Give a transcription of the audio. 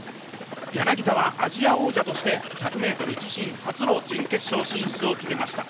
柳田はアジア王者として１００ｍ自身初の決勝進出を果たしました。